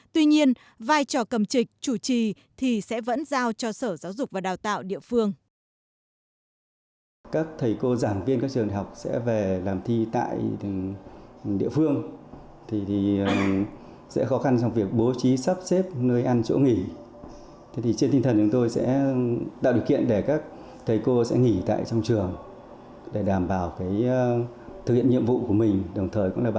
tuy nhiên vai trò cầm trịch chủ trì thì sẽ vẫn giao cho sở giáo dục và đào tạo địa phương